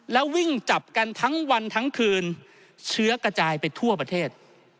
แล้ววิ่งจับกันทั้งวันทั้งคืนเชื้อกระจายไปทั่วประเทศ